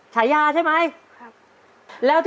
จิตตะสังวโรครับ